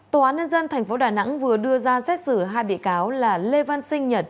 tòa án nhân dân tp đà nẵng vừa đưa ra xét xử hai bị cáo là lê văn sinh nhật